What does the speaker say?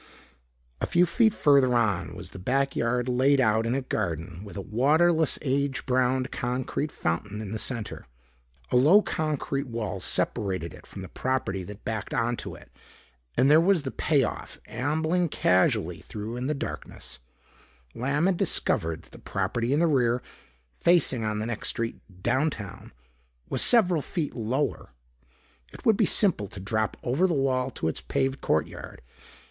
A few feet further on was the backyard laid out in a garden with a waterless age browned concrete fountain in the center. A low concrete wall separated it from the property that backed onto it. And there was the payoff. Ambling casually through in the darkness, Lamb had discovered that the property in the rear, facing on the next street downtown, was several feet lower. It would be simple to drop over the wall to its paved courtyard.